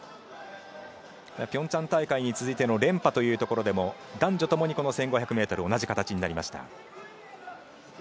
平昌大会に続いての連覇というところでも男女ともに１５００ｍ同じ形になりました。